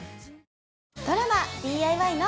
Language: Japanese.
ドラマ「ＤＩＹ！！」の。